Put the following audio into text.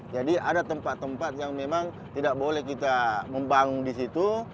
jadi ada tempat tempat yang memang tidak boleh kita membangun disitu